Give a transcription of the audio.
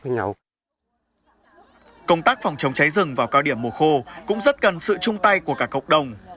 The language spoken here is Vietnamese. công tác phòng chống cháy rừng vào cao điểm mùa khô cũng rất cần sự chung tay của cả cộng đồng